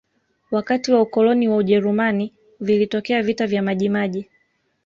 wakati wa ukoloni wa ujerumani vilitokea vita vya majimaji